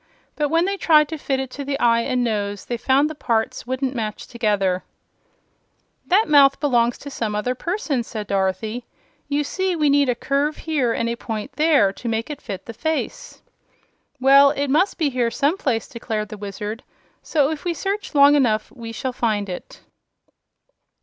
But when they tried to fit it to the eye and nose they found the parts wouldn't match together. "That mouth belongs to some other person," said Dorothy. "You see we need a curve here and a point there, to make it fit the face." "Well, it must be here some place," declared the Wizard; "so if we search long enough we shall find it."